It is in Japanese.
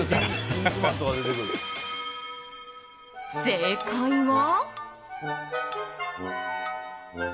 正解は。